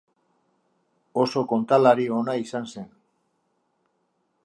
Oso kontalari ona izan zen.